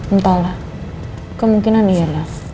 entahlah kemungkinan iya lah